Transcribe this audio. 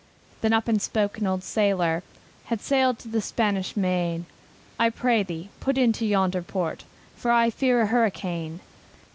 Then up and spake an old sailor, Had sailed to the Spanish Main, "I pray thee, put into yonder port, For I fear a hurricane.